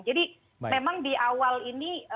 jadi memang di awal ini